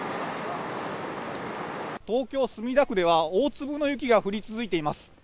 東京・墨田区では大粒の雪が降り続いています。